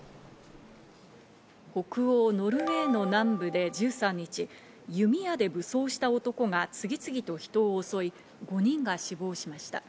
北欧ノルウェーの南部で１３日、弓矢で武装した男が次々と人を襲い５人が死亡しました。